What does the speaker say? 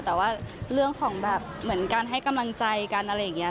แต่ว่าเรื่องของแบบเหมือนการให้กำลังใจกันอะไรอย่างนี้